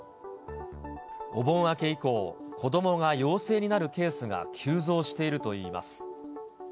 お盆明け以降、子どもが陽性になるケースが急増しているといいます。